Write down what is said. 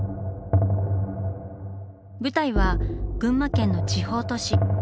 舞台は群馬県の地方都市。